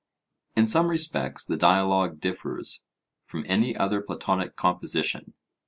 In some respects the dialogue differs from any other Platonic composition.